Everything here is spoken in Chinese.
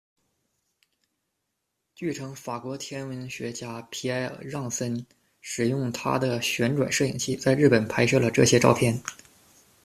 据称，法国天文学家皮埃尔·让森使用他的“旋转摄影器”在日本拍摄了这些照片。